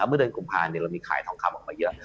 เมื่อเดือนกุมภาเรามีขายทองคำออกมาเยอะ